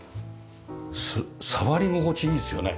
触り心地いいですよね。